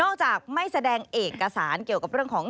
จากไม่แสดงเอกสารเกี่ยวกับเรื่องของ